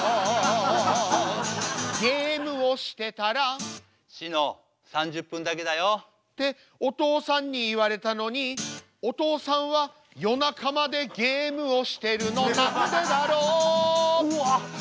ゲームをしてたらしの３０分だけだよ。ってお父さんに言われたのにお父さんは夜中までゲームをしてるのなんでだろううわ！